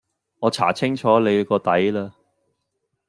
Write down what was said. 我查清楚你個底啦